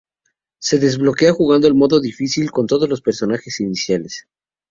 Se desbloquea jugando en el modo difícil con todos los personajes iniciales.